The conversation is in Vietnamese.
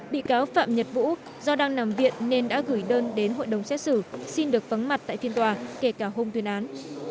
bị cáo phạm nhật vũ do đang nằm viện nên đã gửi đơn đến hội đồng xét xử xin được vắng mặt tại phiên tòa kể cả hôn tuyên án